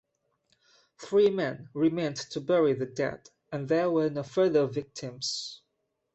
Three men remained to bury the dead and there were no further victims.